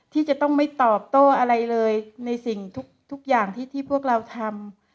ที่จะต้องไม่ตอบโต้อะไรเลยในสิ่งทุกอย่างที่พวกเราทำ